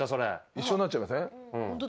一緒になっちゃいません？